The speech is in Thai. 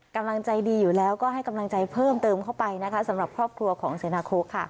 กำลังใจดีอยู่แล้วก็ให้กำลังใจเพิ่มเติมเข้าไปนะคะสำหรับครอบครัวของเสนาโค้ค่ะ